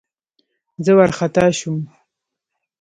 زه وارخطا شوم.